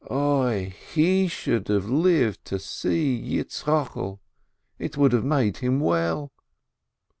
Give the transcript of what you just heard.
"Oi, he should have lived to see Yitzchokel, it would have made him well."